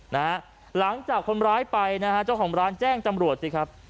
หลังจากคนร้ายไปนะฮะเจ้าของร้านแจ้งจำรวจสิครับ